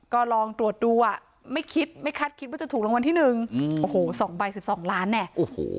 ก็ลองตรวจดูไม่คิดไม่คัดคิดว่าจะถูกรางวัลที่๑โอ้โห๒ใบ๑๒ล้านเนี่ย